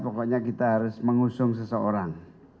pokoknya kita harus mengusung seseorang